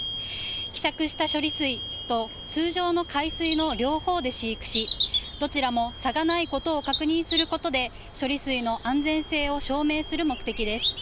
希釈した処理水と通常の海水の両方で飼育しどちらも差がないことを確認することで処理水の安全性を証明する目的です。